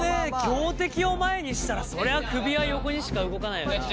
強敵を前にしたらそりゃ首は横にしか動かないな。